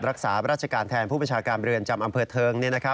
รักษาราชการแทนผู้ประชาการเรือนจำอำเภอเทิง